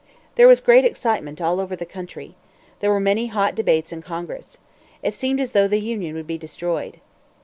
There was great excitement all over the country. There were many hot debates in Congress. It seemed as though the Union would be destroyed.